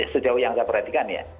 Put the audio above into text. sejauh yang saya perhatikan ya